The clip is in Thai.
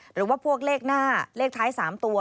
หรือว่าพวกเลขหน้าเลขท้าย๓ตัว